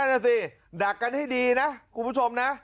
นั่นน่ะสิดักกันให้ดีนะคุณผู้ชมนะ